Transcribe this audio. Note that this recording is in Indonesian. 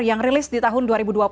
yang rilis di tahun dua ribu dua puluh